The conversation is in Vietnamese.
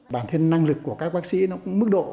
bản thân năng lực của các bác sĩ nó cũng mức độ